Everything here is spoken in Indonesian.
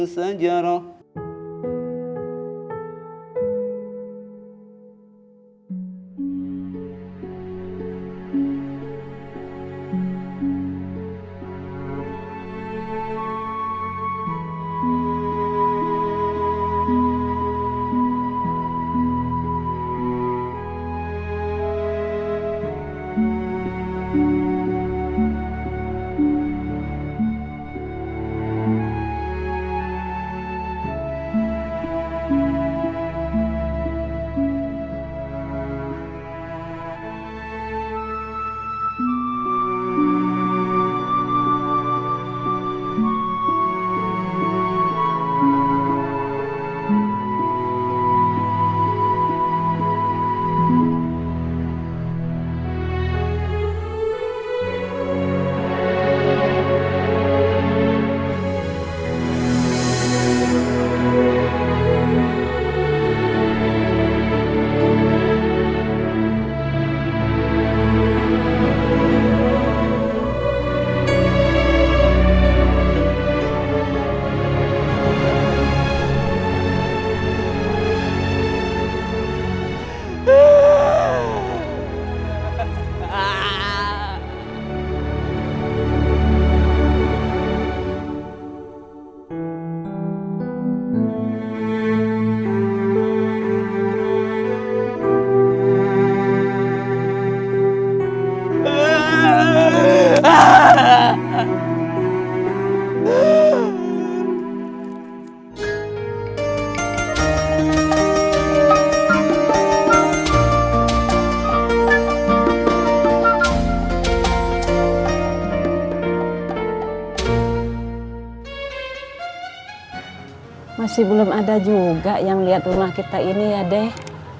semoga yang lihat rumah kita ini ya deh